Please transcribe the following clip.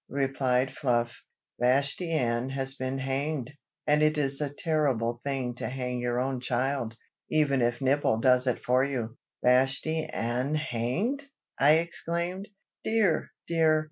replied Fluff, "Vashti Ann has been hanged, and it is a terrible thing to hang your own child, even if Nibble does it for you." "Vashti Ann hanged!" I exclaimed. "Dear! dear!